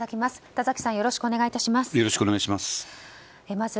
田崎さんよろしくお願いします。